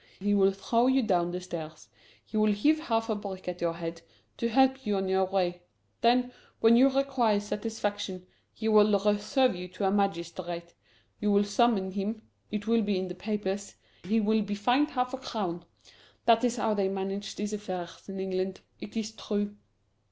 He will throw you down the stairs, he will heave half a brick at your head, to help you on your way. Then, when you require satisfaction, he will refer you to a magistrate. You will summon him it will be in the papers he will be fined half a crown! That is how they manage these affairs in England. It is true!"